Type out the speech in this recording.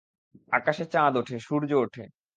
আকশে চাঁদ উঠে, সূর্য ওঠে।